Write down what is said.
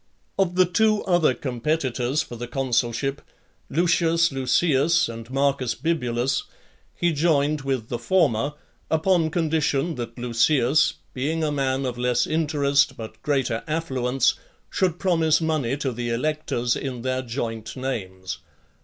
XIX. Of the two other competitors for the consulship, Lucius Luceius and Marcus Bibulus, he joined with the former, upon condition that Luceius, being a man of less interest but greater affluence, should promise money to the electors, in their joint names.